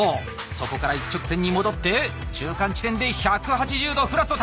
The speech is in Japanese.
そこから一直線に戻って中間地点で１８０度「フラットターン」。